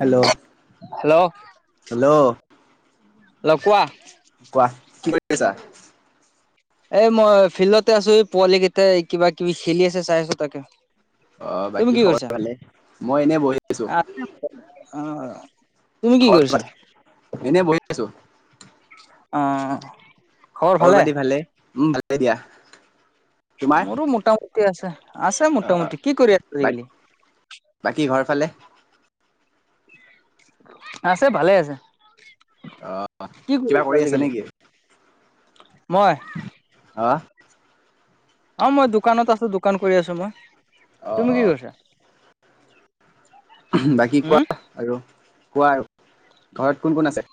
Hello hello hello hello কোৱা। কোৱা, কি কৰি আছা? এ মই ফিল্ডতে আছোঁ, এই পোৱালিকেইটাই কিবা-কিবি খেলি আছে চাই আছোঁ তাকে। অ তুমি বাকী কি খবৰ কৰিছা ভালেই, মই এনেই বহি আছোঁ। আহ অ। তুমি কি ঘৰত বা কৰিছা এনেই বহি আছোঁ। আ। খবৰ-পাতি ভালে। উম, ভালেই দিয়া। তোমাৰ মোৰো মোটামুটি আছে, আছে অ মোটামুটি। কি কৰি আছ বা একেদিন? বাকী, ঘৰফালে। আছে, ভালে আছে। অ কি কিবা কৰিছ কৰি আছে আজিকালি? নেকি মই। হা। অ, মই দোকানত আছোঁ। দোকান কৰি আছোঁ মই। অ তুমি অ কি কৰিছা? বাকী হম কোৱা, আৰু কোৱা। ঘৰত কোন কোন আছে?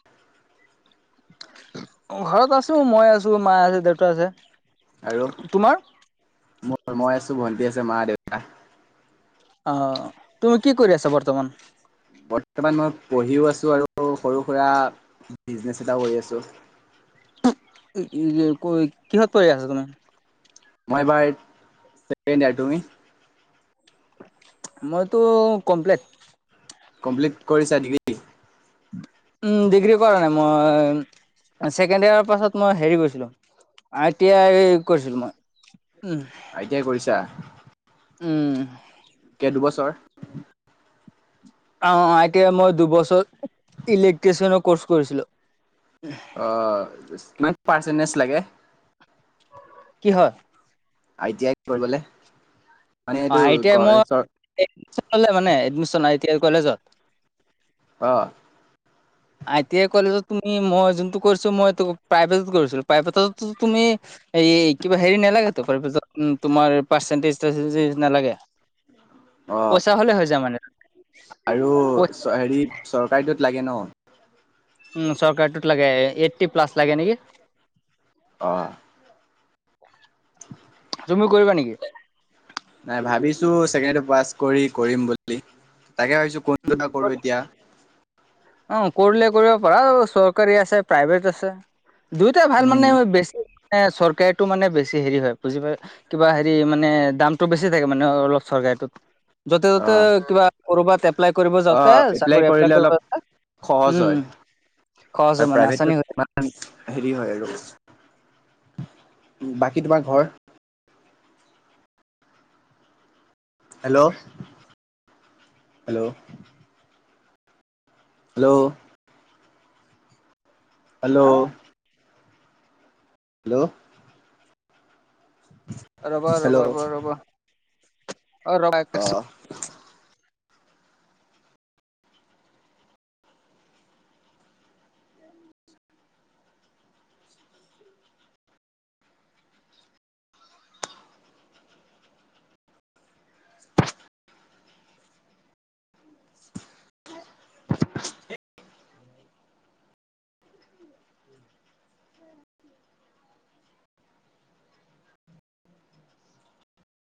ঘৰত আছোঁ। মই আছোঁ, মা আছে, দেউতা আছে। আৰু তোমাৰ মই আছোঁ, ভণ্টী আছে, মা-দেউতা। অ, তুমি কি কৰি আছা বৰ্তমান? বৰ্তমান মই পঢ়িও আছোঁ, আৰু সৰু-সুৰা বিজনেছ এটাও কৰি আছোঁ। হুমহ কি কিহত পঢ়ি আছা তুমি? মই এইবাৰ ছেকেণ্ড ইয়েৰ তুমি? মইতো কমপ্লেট। কমপ্লিট কৰিছা ডিগ্ৰী? উম, ডিগ্ৰী কৰা নাই মই। ছেকেণ্ড ইয়াৰ পাছত মই হেৰি গৈছিলোঁ। আই টি আই কৰিছিলোঁ মই। আই টি আই কৰিছা? উম। কেই দুবছৰ। অ আইতিআই মই দুবছৰ ইলেক্ট্ৰিচিয়ানৰ ক'ৰ্চ কৰিছিলো। অ কিমান পাৰ্চেণ্টেজ লাগে। কিহৰ। আই টি আইত পঢ়িবলৈ। অ আই টি আই মই এক মানে এডমিন আই টি আই কলেজত। অ। আই টি আই কলেজত তুমি মই জুনটো কৰিছো মই প্ৰাইভেটত কৰিছিলো প্ৰাইভেটতো তুমি। এই এই কিবা হেৰি নেলাগতো প্ৰাইভেদত তোমাৰ পাৰ্চেন্টেজ তাৰপেনতেজ নালাগে। অঁ। দুটা হ'লে হৈ যায় মানে। আৰু পই চ হেৰিত চৰকাৰীটোত লাগে ন। উ চৰকাৰীটোত লাগে এইট্টী প্লাছ লাগে নেকি। অঁ। তুমিও কৰিবা নেকি নাই ভাবিছো ছেকেণ্ডৰী পাছ কৰি কৰিম বুলি তাকে ভাবিছো কোনটো বা কৰো এতিয়া অ কৰিলে কৰিব পাৰা চৰকাৰী আছে প্ৰাইভেট আছে দুইটা ভাল উম, মানে বেছি মানে চৰকাৰটো মানে বেছি হেৰি হয় বুজি পাই কিবা হেৰি মানে দামটো বেছি থাকে মানে অলপ চৰকাৰিটোত য'তে ত'তে অ' কিবা কৰবাত এপ্লাই কৰিব যাওঁতে অ' চাকৰি কৰিলে এপ্লাই অলপ কৰিব সহজ হয় উম, সহজ আৰু হয় মানে প্ৰাইভেট আচানি হৈ থাকে। ইমান হেৰি হয় আৰু বাকী তোমাৰ ঘৰ হেল্ল হেল্ল হেল্ল হেল্ল অ', হেল্ল ৰবা ৰবা হেল্ল' ৰ ৰবা অ ৰবা আহিছো অ'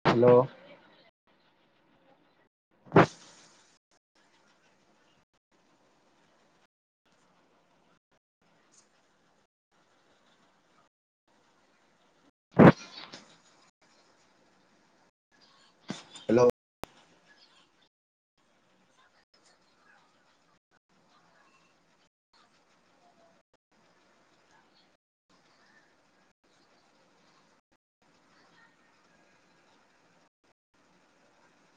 হেল্ল হেল্ল'